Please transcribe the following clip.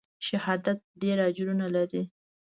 شهادت ډېر اجرونه لري.